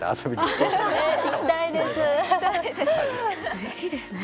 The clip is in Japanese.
うれしいですね。